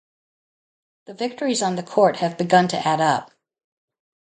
The victories on the court have begun to add up.